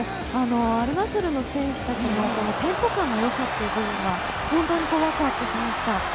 アルナスルの選手たちのテンポ感の良さという部分は本当にワクワクしました。